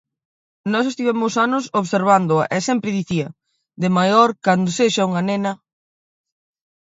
Nós estivemos anos observándoa e sempre dicía: "De maior, cando sexa unha nena..."